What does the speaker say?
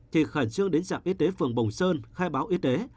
thì khẩn trương đến trạm y tế phường bồng sơn khai báo y tế